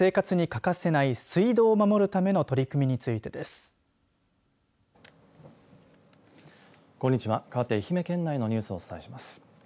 かわって愛媛県内のニュースをお伝えします。